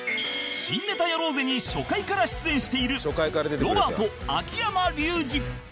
「新ネタやろうぜ！」に初回から出演しているロバート秋山竜次